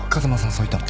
そう言ったの？